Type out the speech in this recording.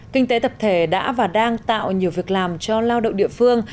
kinh tế tập thể đã và đang tạo nhiều việc làm cho lao động địa phương